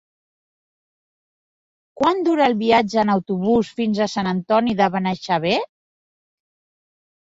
Quant dura el viatge en autobús fins a Sant Antoni de Benaixeve?